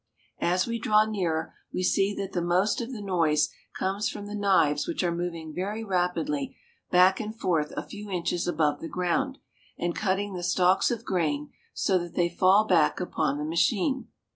As we draw nearer, we see that the most of the noise comes from the knives which are moving very rapidly back and forth a few inches above the ground, and cutting the stalks of grain so that they fall back upon the machine.